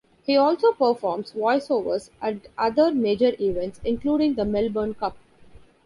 He also performs voiceovers at other major events, including the Melbourne Cup.